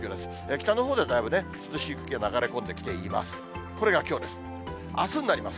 北のほうではだいぶね、涼しい空気が流れ込んできています。